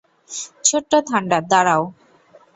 ছোট্ট থান্ডার, দাঁড়াও!